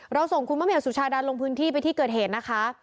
ส่งคุณมะเหี่ยวสุชาดาลงพื้นที่ไปที่เกิดเหตุนะคะ